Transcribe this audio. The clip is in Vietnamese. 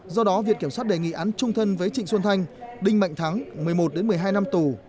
do đó viện kiểm sát đề nghị án trung thân với trịnh xuân thanh đinh mạnh thắng một mươi một một mươi hai năm tù